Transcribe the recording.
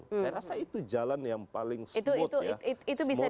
saya rasa itu jalan yang paling smooth ya